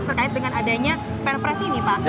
terkait dengan adanya perpres ini pak